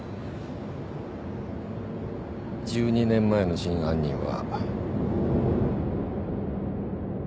１２年前の真犯人は。